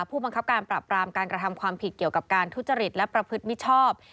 ผู้บังคับการปรับรามการกระทำความผิดเกี่ยวกับการทุจริตและประพฤติมิชชอบ